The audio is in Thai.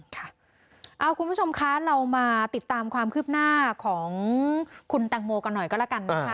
คุณผู้ชมคะเรามาติดตามความคืบหน้าของคุณแตงโมกันหน่อยก็แล้วกันนะคะ